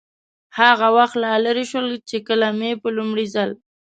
هغه وخت لا لرې شول، چې کله مې په لومړي ځل.